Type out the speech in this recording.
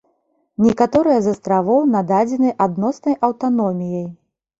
Некаторыя з астравоў нададзены адноснай аўтаноміяй.